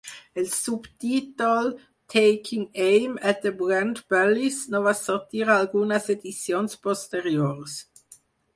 El subtítol "Taking Aim at the Brand Bullies" no va sortir a algunes edicions posteriors.